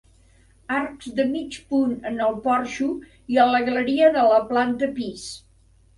Arcs de mig punt en el porxo i a la galeria de la planta pis.